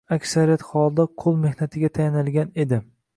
Aksariyat holda qoʻl mehnatiga tayanilgan edi.